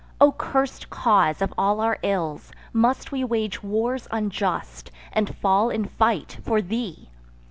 O cursed cause of all our ills, must we Wage wars unjust, and fall in fight, for thee!